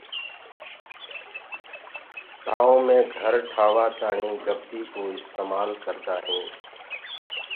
گآئونٚ مي گھر ٺآوآ تآڻي گَپي ڪو استمآل ڪردآ هينٚ۔